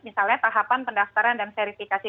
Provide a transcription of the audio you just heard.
misalnya tahapan pendaftaran dan verifikasi